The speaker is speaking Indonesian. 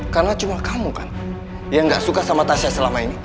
karena cuma kamu kan yang gak suka sama tasya selama ini